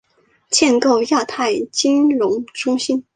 建构亚太金融中心